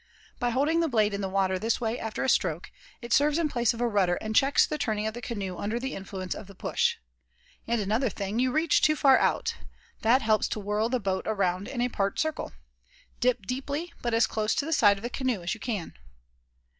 By holding the blade in the water this way after a stroke, it serves in place of a rudder and checks the turning of the canoe under the influence of the push. And another thing, you reach too far out. That helps to whirl the boat around in a part circle. Dip deeply, but as close to the side of the canoe as you can."